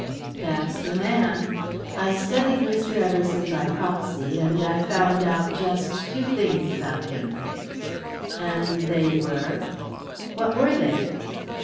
"That's the man. I studied Mr. Eversleigh by proxy, and I found out just two things about him." "And they were what were they?"